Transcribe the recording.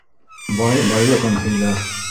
Бай байлығын һөйләр